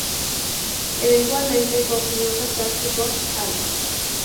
Eventualmente, consiguió casarse con Al.